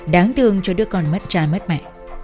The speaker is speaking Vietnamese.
đáng thương cho đứa con mất trai mất mẹ